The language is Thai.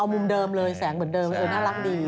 มุมเดิมเลยแสงเหมือนเดิมน่ารักดี